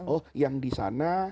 oh yang di sana